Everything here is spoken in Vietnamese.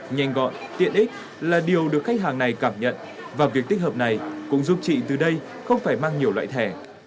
nhanh gọn tiện ích là điều được khách hàng này cảm nhận và việc tích hợp này cũng giúp chị từ đây không phải mang nhiều loại thẻ